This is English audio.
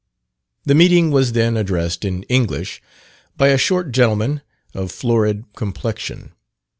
The meeting was then addressed in English by a short gentleman, of florid complexion.